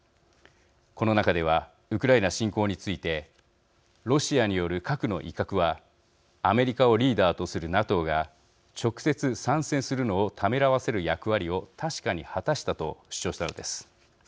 この中ではウクライナ侵攻についてロシアによる核の威嚇はアメリカをリーダーとするＮＡＴＯが、直接参戦するのをためらわせる役割を確かに果たしたと主張したのです。